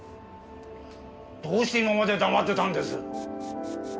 どうして今まで黙ってたんです？